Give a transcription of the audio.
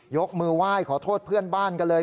ยกมือไหว้ขอโทษเพื่อนบ้านกันเลย